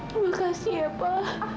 terima kasih ya pak